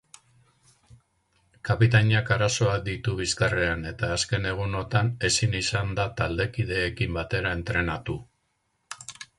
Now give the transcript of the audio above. Kapitainak arazoak ditu bizkarrean eta azken egunotan ezin izan da taldekideekin batera entrenatu.